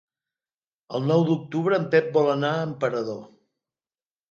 El nou d'octubre en Pep vol anar a Emperador.